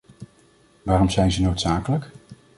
Waarom zijn ze noodzakelijk?